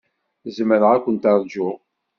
Zemreɣ ad kent-ṛjuɣ.